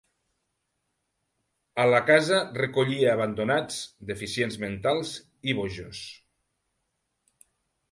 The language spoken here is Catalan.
A la casa recollia abandonats, deficients mentals i bojos.